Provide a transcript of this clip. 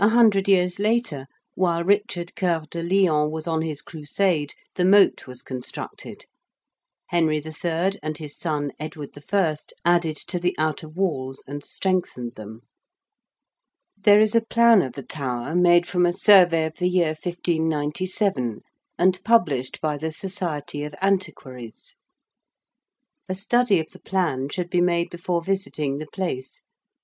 A hundred years later, while Richard Coeur de Lion was on his Crusade, the moat was constructed. Henry III. and his son Edward I. added to the outer walls and strengthened them. [Illustration: TOWER OF LONDON.] There is a plan of the Tower made from a survey of the year 1597 and published by the Society of Antiquaries. A study of the plan should be made before visiting the place.